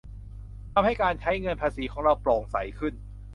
ทำให้การใช้เงินภาษีของเราโปร่งใสขึ้น